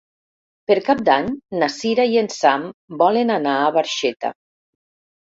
Per Cap d'Any na Sira i en Sam volen anar a Barxeta.